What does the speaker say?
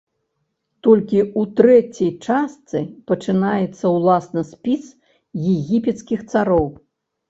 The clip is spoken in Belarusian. Толькі ў трэцяй частцы пачынаецца ўласна спіс егіпецкіх цароў.